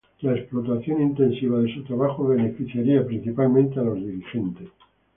La explotación intensiva de su trabajo beneficiaría principalmente a los dirigentes.